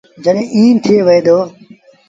جڏهيݩٚ ايٚ ٿئي وهي تا